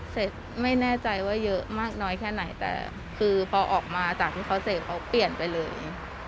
ไม่แน่ใจว่าเยอะมากน้อยแค่ไหนแต่คือพอออกมาจากที่เขาเสพเขาเปลี่ยนไปเลย